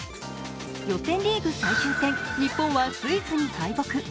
予選リーグ最終戦、日本はスイスに敗北。